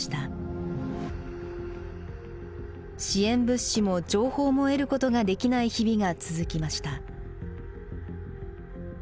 支援物資も情報も得ることができない日々が続きました。